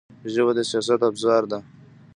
ژبه د سیاست ابزار ده